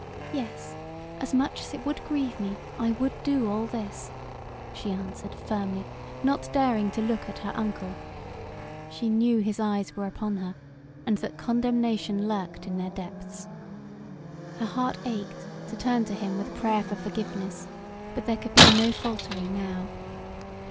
"Yes, as much as it would grieve me, I would do all this," she answered, firmly, not daring to look at her uncle. She knew his eyes were upon her and that condemnation lurked in their depths. Her heart ached to turn to him with a prayer for forgiveness, but there could be no faltering now.